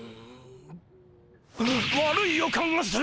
悪い予感がする！